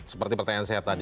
seperti pertanyaan saya tadi